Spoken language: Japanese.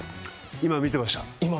今見てました。